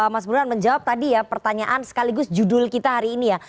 mas burhan menjawab tadi ya pertanyaan sekaligus judul kita hari ini ya